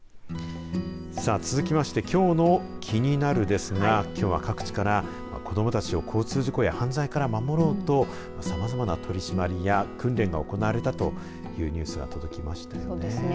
さあ続きましてきょうのキニナル！ですがきょうは各地から子どもたちを交通事故や犯罪から守ろうとさまざまな取締りや訓練が行われたというニュースが届きましたね。